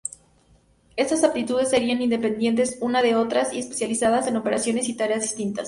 Estas aptitudes serían independientes unas de otras i especializadas en operaciones y tareas distintas.